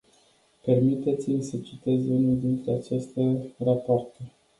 Permiteți-mi să citez unul dintre aceste rapoarte.